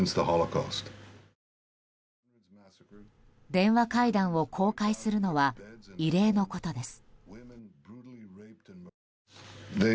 電話会談を公開するのは異例のことです。